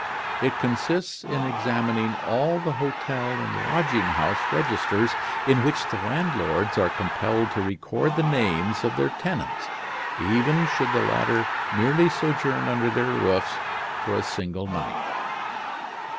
It consists in examining all the hotel and lodging house registers, in which the landlords are compelled to record the names of their tenants, even should the latter merely sojourn under their roofs for a single night.